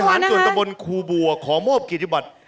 องค์การบริหารส่วนตรงกลคูบัวขอมอบกิจบัตร